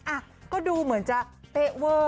อ่ะก็ดูเหมือนจะเป๊ะเวอร์